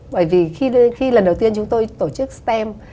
bởi vì khi lần đầu tiên chúng tôi tổ chức stem